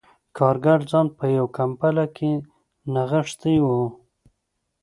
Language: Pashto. کارګر ځان په یوه کمپله کې نغښتی و